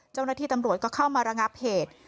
เจ้าหน้าที่ตำรวจก็เข้ามาระงับเหตุ